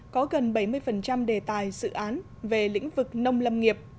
có gần bảy mươi đề tài sự án về lĩnh vực nông lâm nghiệp